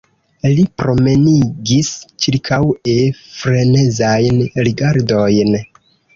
Li promenigis ĉirkaŭe frenezajn rigardojn.